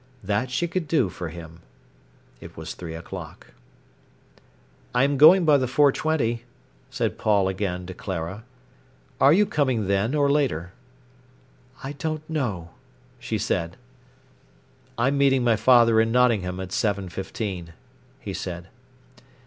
That she could do for him. It was three o'clock. "I am going by the four twenty," said Paul again to Clara. "Are you coming then or later?" "I don't know," she said. "I'm meeting my father in Nottingham at seven fifteen," he said.